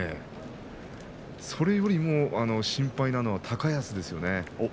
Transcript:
それよりも心配なのは高安ですよね。